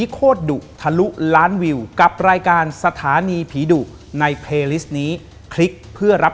ขอบคุณครับคุณต้นครับ